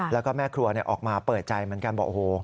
แล้วก็แม่ครัวออกมาเปิดใจเหมือนกันบอกโอ้โห